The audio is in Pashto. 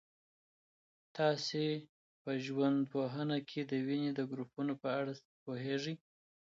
تاسو په ژوندپوهنه کي د وینې د ګروپونو په اړه پوهېږئ؟